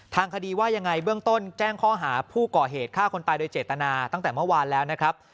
ทางคดีว่ายังไงเบื้องต้นแจ้งข้อหาผู้ก่อเหตุฆ่าคนตายโดยเจตนาตั้งแต่เมื่อวานแล้วนะครับ